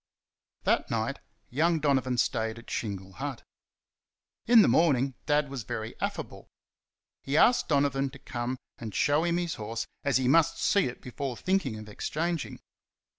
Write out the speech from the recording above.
That night, young Donovan stayed at Shingle Hut. In the morning Dad was very affable. He asked Donovan to come and show him his horse, as he must see it before thinking of exchanging.